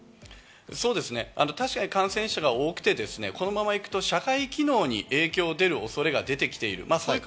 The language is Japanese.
そうですね、確かに感染者が多くて、このまま行くと社会機能に影響が出る恐れが出てきている。